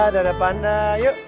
dada panda yuk